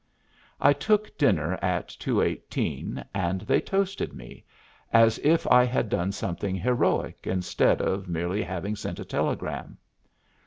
I took dinner in 218, and they toasted me, as if I had done something heroic instead of merely having sent a telegram.